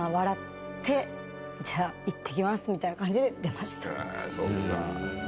みたいな感じで出ました。